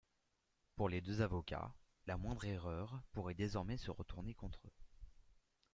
Pour les deux avocats, la moindre erreur pourrait désormais se retourner contre eux...